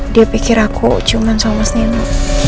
dia pikir aku cuman sama mas tino